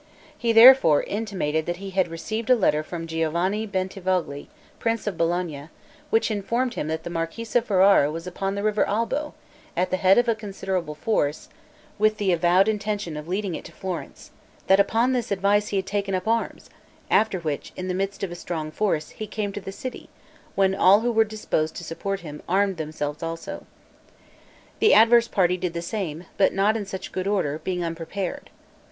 He therefore intimated that he had received a letter from Giovanni Bentivogli, prince of Bologna, which informed him that the marquis of Ferrara was upon the river Albo, at the head of a considerable force, with the avowed intention of leading it to Florence; that upon this advice he had taken up arms; after which, in the midst of a strong force, he came to the city, when all who were disposed to support him, armed themselves also. The adverse party did the same, but not in such good order, being unprepared.